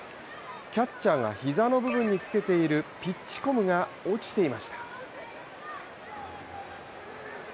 キャッチャーが膝の部分につけているピッチコムが落ちていました。